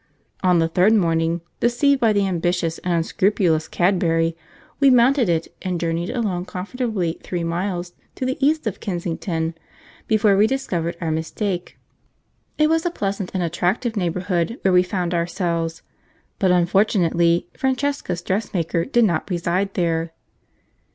On the third morning, deceived by the ambitious and unscrupulous Cadbury, we mounted it and journeyed along comfortably three miles to the east of Kensington before we discovered our mistake. It was a pleasant and attractive neighbourhood where we found ourselves, but unfortunately Francesca's dressmaker did not reside there.